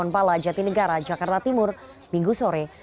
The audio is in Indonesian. kebon pala jati negara jakarta timur minggu sore